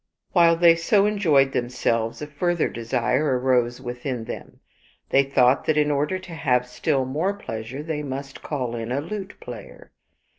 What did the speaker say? While they so enjoyed themselves a further desire arose within them. They thought that in order to have still more pleasure they must call in a lute player.